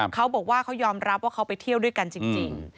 เขาบอกว่าเขายอมรับว่าเขาไปเที่ยวด้วยกันจริง